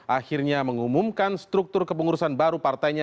akhirnya mengumumkan struktur kepengurusan baru partainya